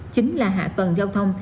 chính là hạ tầng giao thông